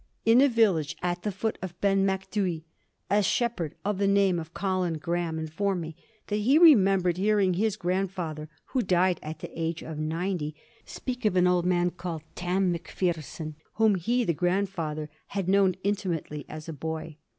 In a village at the foot of Ben MacDhui a shepherd of the name of Colin Graeme informed me that he remembered hearing his grandfather, who died at the age of ninety, speak of an old man called Tam McPherson whom he the grandfather had known intimately as a boy.